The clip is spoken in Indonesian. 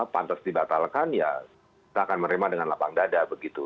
pantas dibatalkan ya kita akan menerima dengan lapang dada begitu